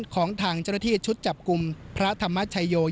ของทางจุดจับกลุ่มพระธรรมชัยศกิฎ